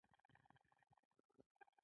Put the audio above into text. ناک په کابل او میدان وردګو کې کیږي.